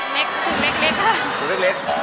เม็กคือเม็กค่ะดูเล็กอ๋อ